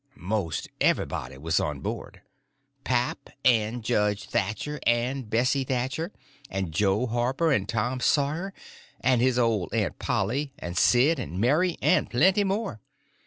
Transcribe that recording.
Most everybody was on the boat. Pap, and Judge Thatcher, and Bessie Thatcher, and Jo Harper, and Tom Sawyer, and his old Aunt Polly, and Sid and Mary, and plenty more.